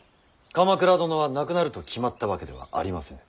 鎌倉殿は亡くなると決まったわけではありません。